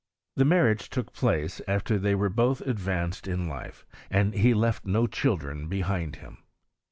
The marriage took place after they were both advanced in Life, and he left no childrea behind him.